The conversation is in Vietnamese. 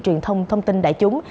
truyền thông thông tin đại chúng